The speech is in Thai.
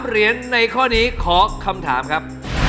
เหรียญในข้อนี้ขอคำถามครับ